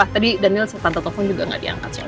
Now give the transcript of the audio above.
tadi daniel sama tante taufeng juga nggak diangkat soalnya